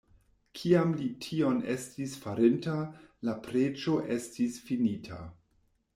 Kiam li tion estis farinta, la preĝo estis finita.